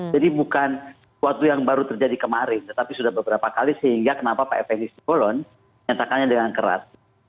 jadi bukan waktu yang baru terjadi kemarin tetapi sudah beberapa kali sehingga kenapa pak fng sipolon nyatakannya dengan keras